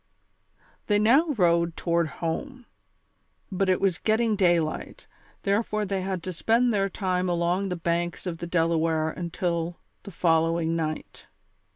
They now rowed toward home ; but it was getting day light, therefore they had to spend their time along the banks of the Delaware until the following night.